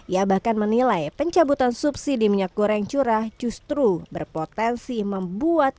ia bahkan menilai pencabutan subsidi minyak goreng curah justru berpotensi membuat